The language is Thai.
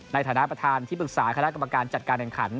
ในฐานะประธานที่ปรึกษาคณะกรรมการจัดการแห่งขัน